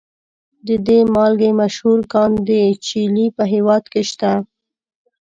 د دې مالګې مشهور کان د چیلي په هیواد کې شته.